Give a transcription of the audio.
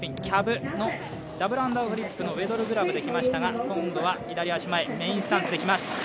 キャブのダブルアンダーフリップのウェドルグラブできましたが今度は左足前メインスタンスできます。